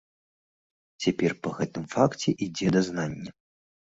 Цяпер па гэтым факце ідзе дазнанне.